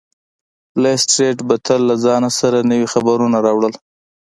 لیسټرډ به تل له ځان سره نوي خبرونه راوړل.